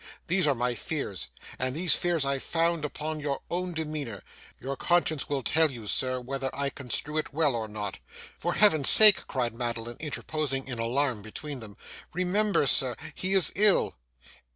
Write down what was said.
These are my fears, and these fears I found upon your own demeanour. Your conscience will tell you, sir, whether I construe it well or not.' 'For Heaven's sake!' cried Madeline, interposing in alarm between them. 'Remember, sir, he is ill.